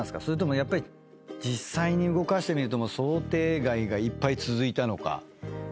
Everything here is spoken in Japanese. それともやっぱり実際に動かしてみると想定外がいっぱい続いたのか。